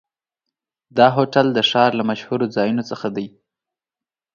دا هوټل د ښار له مشهورو ځایونو څخه دی.